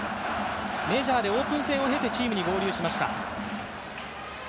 メジャーでオープン戦を経てチームに合流しました。